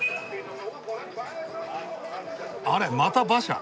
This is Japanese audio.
あれまた馬車。